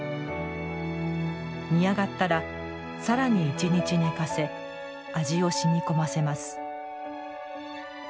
煮上がったら、さらに１日寝かせ味を染み込ませます。